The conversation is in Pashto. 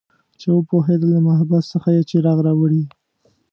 چې وپوهیدل د محبس څخه یې څراغ راوړي